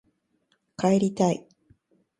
帰りたい